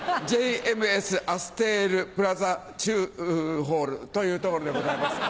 「ＪＭＳアステールプラザ中ホール」という所でございます。